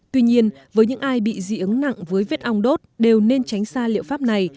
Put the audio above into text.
tuy nhiên với những ai bị dị ứng nặng với vết ong đốt đều nên tránh xa liệu pháp này